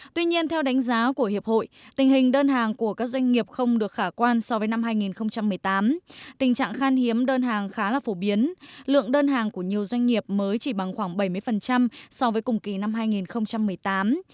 tuy nhiên theo đánh giá của hiệp hội tình hình đơn hàng của các doanh nghiệp không được khả quan so với năm hai nghìn một mươi tám tình trạng khan hiếm đơn hàng khá là phổ biến lượng đơn hàng của nhiều doanh nghiệp mới chỉ bằng khoảng bảy mươi so với cùng kỳ năm hai nghìn một mươi tám